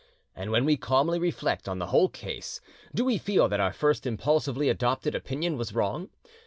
And when we calmly reflect on the whole case, do we feel that our first impulsively adopted opinion was wrong?